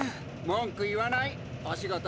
文句言わない。